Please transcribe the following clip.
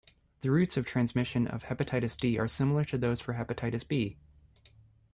The routes of transmission of hepatitis D are similar to those for hepatitis B.